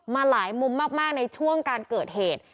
มาหลายมุมมากในช่วงการเกิดเหตุ